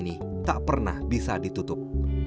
ini tak pernah bisa ditutup